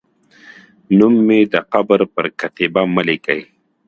نوم مې د قبر پر کتیبه مه لیکئ